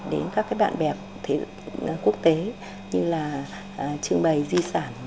đến các bạn bè quốc tế như là trưng bày di sản